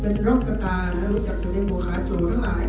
เป็นร็อกสตาร์นะรู้จักกันในหัวขาโจทย์มาตั้งหลาย